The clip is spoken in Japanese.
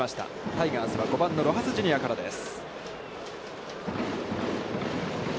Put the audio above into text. タイガースは５番のロハス・ジュニアからです。